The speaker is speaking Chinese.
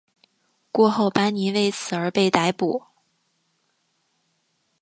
过后班尼为此而被逮捕。